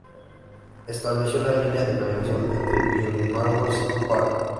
Estableció la línea de navegación entre Yurimaguas y Pará.